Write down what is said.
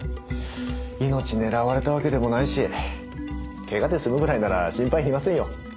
命狙われたわけでもないし怪我で済むぐらいなら心配いりませんよ。